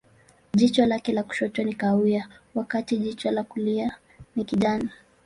Jicho lake la kushoto ni kahawia, wakati jicho la kulia ni kijani.